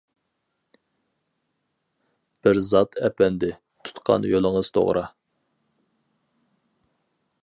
بىر زات ئەپەندى، تۇتقان يولىڭىز توغرا!